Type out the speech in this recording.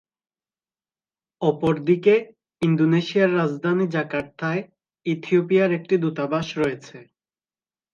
অপরদিকে, ইন্দোনেশিয়ার রাজধানী জাকার্তায় ইথিওপিয়ার একটি দূতাবাস রয়েছে।